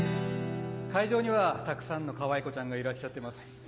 会場にはたくさんのかわいこちゃんがいらっしゃってます。